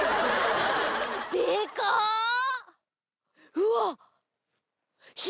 うわっ。